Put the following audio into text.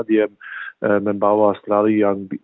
dia membawa australia untuk bisa juara asian cup